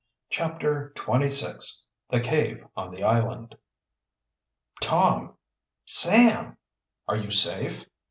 CHAPTER XXVI THE CAVE ON THE ISLAND "Tom!" "Sam!" "Are you safe?"